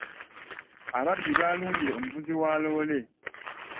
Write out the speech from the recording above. Ababbi baalumbye omuvuzi wa loole.